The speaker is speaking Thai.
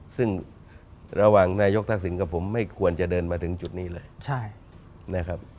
ซึ่งระหว่างนายกทักษิณกับผมไม่ควรจะเดินมาถึงจุดนี้เลยนะครับ